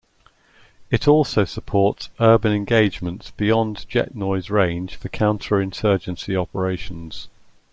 It also supports urban engagements beyond jet noise range for counter-insurgency operations.